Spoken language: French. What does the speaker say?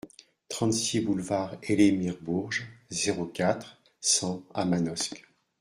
trente-six boulevard Elémir Bourges, zéro quatre, cent à Manosque